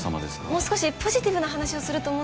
もう少しポジティブな話をすると思うんですが。